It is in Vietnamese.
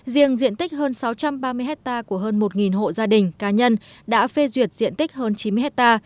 riêng diện tích hơn sáu trăm ba mươi hectare của hơn một hộ gia đình cá nhân đã phê duyệt diện tích hơn chín mươi hectare